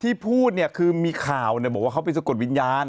ที่พูดเนี่ยคือมีข่าวบอกว่าเขาไปสะกดวิญญาณ